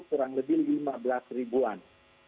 kurang lebih lima belas ribuan